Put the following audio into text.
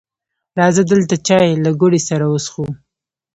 راځه دلته چای له ګوړې سره وڅښو